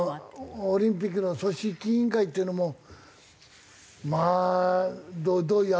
オリンピックの組織委員会っていうのもまあどういう頭してるんだかすごいな。